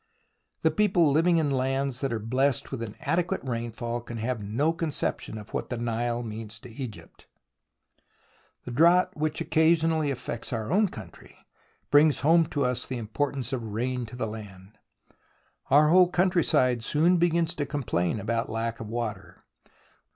The people living in lands that are blessed with an adequate rainfall can have no conception of what the Nile means to Egypt, The drought which occasionally affects our own country brings home to us the importance of rain to the land. Our whole country side soon begins to complain about lack of water.